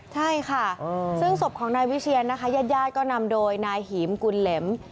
ใช่ค่ะซึ่งศพของนายวิเชียนนะคะญาติญาติก็นำโดยนายหีมกุลเหล็ม